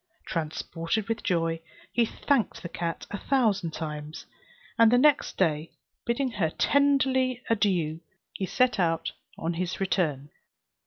Transported with joy, he thanked the cat a thousand times, and the next day, bidding her tenderly adieu, he set out on his return.